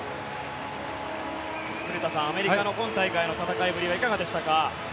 古田さん、アメリカの今大会の戦いぶりはいかがでしたか。